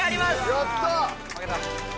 やったー。